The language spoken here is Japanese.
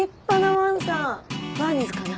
バーニーズかな？